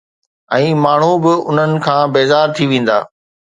۽ ماڻهو به انهن کان بيزار ٿي ويندا.